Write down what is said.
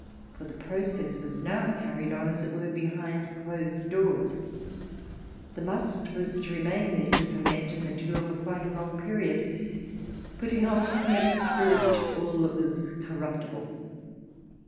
For the process was now carried on as it were behind closed doors. The must was to remain there to ferment and mature for quite a long period, putting off from its spirit all that was corruptible.